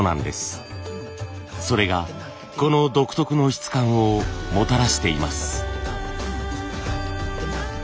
それがこの独特の質感をもたらしています。